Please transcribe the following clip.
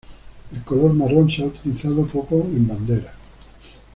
El color marrón se ha utilizado poco en banderas.